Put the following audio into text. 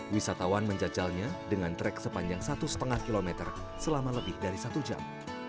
wisatawan menjajalnya dengan trek sepanjang satu lima km selama lebih dari satu jam